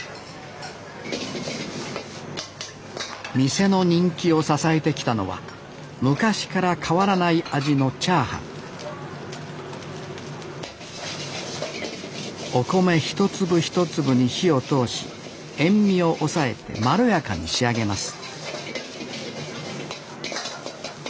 店の人気を支えてきたのは昔から変わらない味のチャーハンお米一粒一粒に火を通し塩みを抑えてまろやかに仕上げます